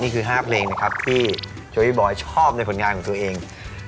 ๕เพลงนะครับที่เชอรี่บอยชอบในผลงานของตัวเอง